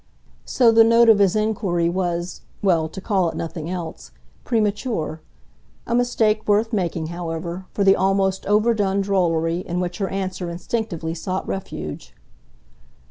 So the note of his inquiry was well, to call it nothing else premature; a mistake worth making, however, for the almost overdone drollery in which her answer instinctively sought refuge.